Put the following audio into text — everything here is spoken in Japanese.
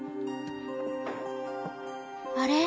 あれ？